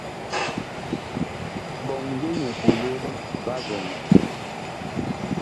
Ɓɔŋ yeŋ eɓolo va vɔŋɔ.